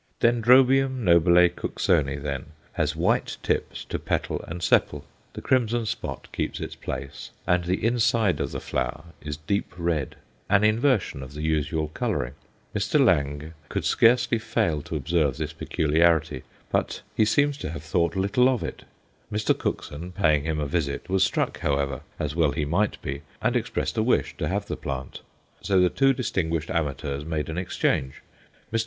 Dendrobium nobile Cooksoni, then, has white tips to petal and sepal; the crimson spot keeps its place; and the inside of the flower is deep red an inversion of the usual colouring. Mr. Lange could scarcely fail to observe this peculiarity, but he seems to have thought little of it. Mr. Cookson, paying him a visit, was struck, however as well he might be and expressed a wish to have the plant. So the two distinguished amateurs made an exchange. Mr.